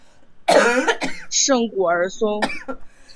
圣古尔松。